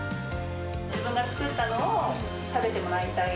自分が作ったのを食べてもらいたい。